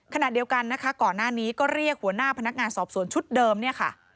ขณะเดียวกันนะคะก่อนหน้านี้ก็เรียกหัวหน้าพนักงานสอบสวนชุดเดิมเนี่ยค่ะ